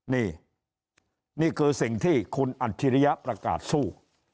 นี่นี่คือสิ่งที่คุณอัจฉริยะประกาศสู้